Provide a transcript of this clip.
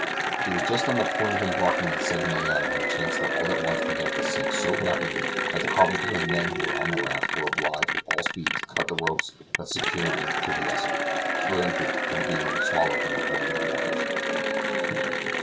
We were just on the point of embarking at 7 A. M. when the Chancellor all at once began to sink so rapidly that the carpenter and men who were on the raft were obliged with all speed to cut the ropes that secured it to the vessel, to prevent it from being swallowed up in the eddying waters.